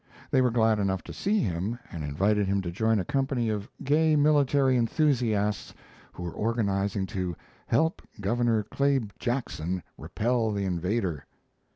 They were glad enough to see him, and invited him to join a company of gay military enthusiasts who were organizing to "help Gov. 'Claib' Jackson repel the invader."